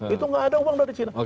itu gak ada uang dari cina